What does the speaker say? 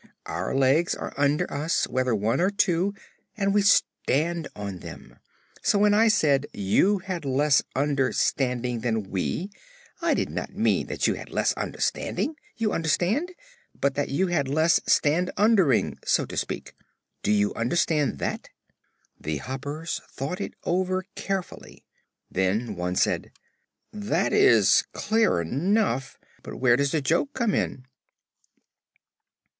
Our legs are under us, whether one or two, and we stand on them. So, when I said you had less understanding than we, I did not mean that you had less understanding, you understand, but that you had less standundering, so to speak. Do you understand that?" The Hoppers thought it over carefully. Then one said: "That is clear enough; but where does the joke come in?'"